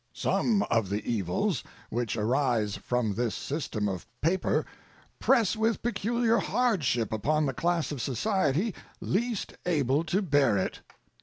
Some of the evils which arise from this system of paper press with peculiar hardship upon the class of society least able to bear it.